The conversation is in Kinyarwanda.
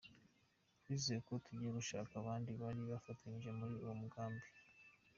Twizeye ko tugiye gushaka abandi bari bafatanyije muri uwo mugambi.